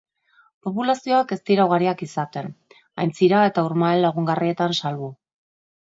Populazioak ez dira ugariak izaten, aintzira eta urmael lagungarrietan salbu.